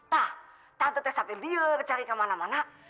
tak tante teh sopir dia kecari kemana mana